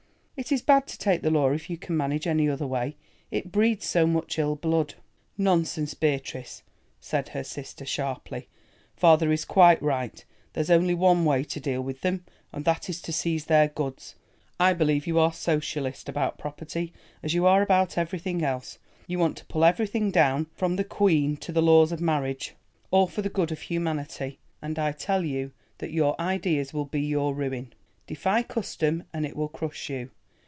It is bad to take the law if you can manage any other way—it breeds so much ill blood." "Nonsense, Beatrice," said her sister sharply. "Father is quite right. There's only one way to deal with them, and that is to seize their goods. I believe you are socialist about property, as you are about everything else. You want to pull everything down, from the Queen to the laws of marriage, all for the good of humanity, and I tell you that your ideas will be your ruin. Defy custom and it will crush you.